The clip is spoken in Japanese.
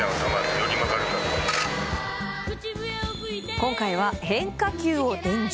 今回は変化球を伝授。